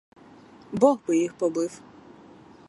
Бог би їх побив!